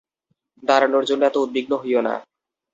দাঁড়ানোর জন্য এতো উদ্বিগ্ন হইও না।